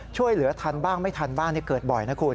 ช่วยเหลือทันบ้างไม่ทันบ้างเกิดบ่อยนะคุณ